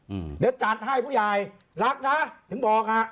อืมเดี๋ยวจัดให้ผู้ใหญ่รักนะถึงบอกฮะ